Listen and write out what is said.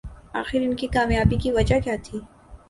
آخر ان کی کامیابی کی وجہ کیا تھی